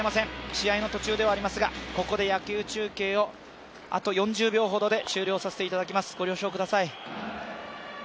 試合の途中ではありますがここで野球中継をあと４０秒ほどで終了させていただきます、ご了承ください。